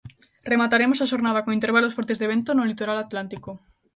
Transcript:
Remataremos a xornada con intervalos fortes de vento no litoral atlántico.